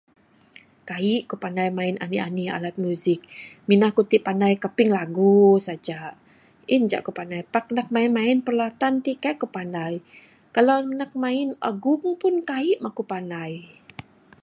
Kaik ku panai main anih anih alau music, mina ku ti pandei kaping lagu saja. In ja ku pandai, pak nak main-main peralatan ti kaik ku pandai. Kalau nak main agung, pun kaik mah ku pandai.